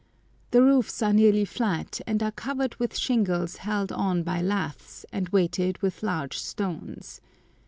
The roofs are nearly flat, and are covered with shingles held on by laths and weighted with large stones.